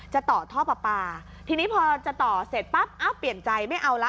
จะต่อท่อปลาปลาทีนี้พอจะต่อเสร็จปั๊บเอ้าเปลี่ยนใจไม่เอาละ